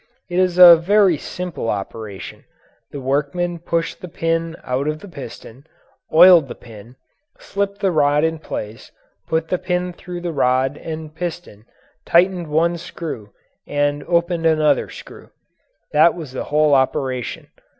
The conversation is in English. It is a very simple operation. The workman pushed the pin out of the piston, oiled the pin, slipped the rod in place, put the pin through the rod and piston, tightened one screw, and opened another screw. That was the whole operation.